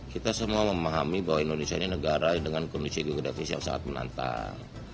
kita semua memahami bahwa indonesia ini negara dengan kondisi geografis yang sangat menantang